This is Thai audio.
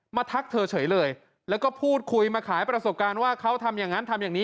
ทักเธอเฉยเลยแล้วก็พูดคุยมาขายประสบการณ์ว่าเขาทำอย่างนั้นทำอย่างนี้